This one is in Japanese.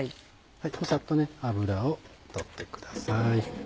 サッと油を取ってください。